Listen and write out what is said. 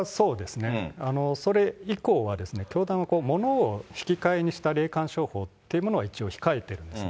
それ以降は、教団は物を引き換えにした霊感商法っていうものを一応控えてるんです。